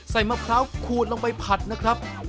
มะพร้าวขูดลงไปผัดนะครับ